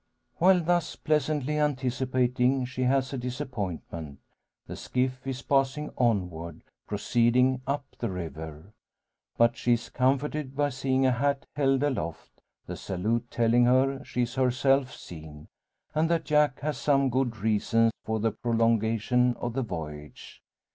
While thus pleasantly anticipating, she has a disappointment. The skiff is passing onward proceeding up the river! But she is comforted by seeing a hat held aloft the salute telling her she is herself seen; and that Jack has some good reason for the prolongation of the voyage.